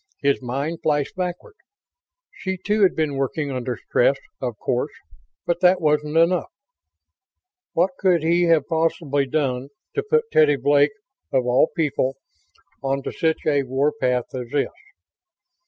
His mind flashed backward. She too had been working under stress, of course; but that wasn't enough. What could he have possibly done to put Teddy Blake, of all people, onto such a warpath as this?